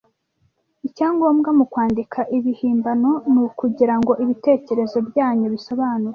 Icyangombwa mukwandika ibihimbano nukugirango ibitekerezo byanyu bisobanuke.